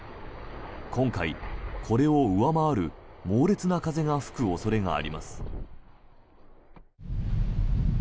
今回、これを上回る猛烈な風が吹く恐れがあります。